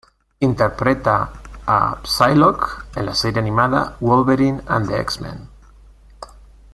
Interpreta a Psylocke en la serie animada, "Wolverine and the X-Men".